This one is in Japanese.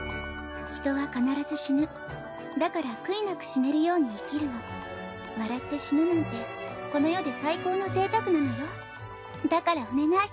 人は必ず死ぬだから悔いなく死ねるように生きるの笑って死ぬなんてこの世で最高の贅沢なのだからお願い。